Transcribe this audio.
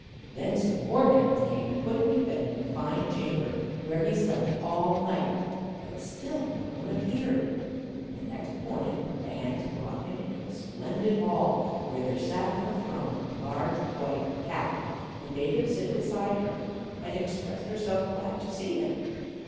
Then some more hands came and put him to bed in a fine chamber, where he slept all night, but still no one appeared. The next morning, the hands brought him into a splendid hall, where there sat on a throne a large White Cat, who made him sit beside her, and expressed herself glad to see him.